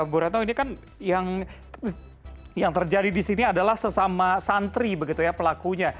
bu retno ini kan yang terjadi di sini adalah sesama santri begitu ya pelakunya